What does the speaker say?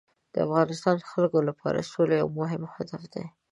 د افغانستان خلکو لپاره سوله یو مهم هدف دی.